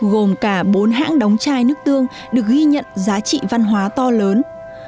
gồm cả bốn hãng đóng chai nước tương được ghi nhận giá trị văn hóa to lớn